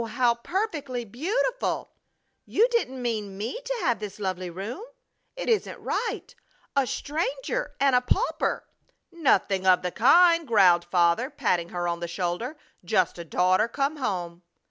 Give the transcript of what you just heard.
How perfectly beautiful! You don't mean me to have this lovely room? It isn't right! A stranger and a pauper!" "Nothing of the kind!" growled Father, patting her on the shoulder. "Just a daughter come home!"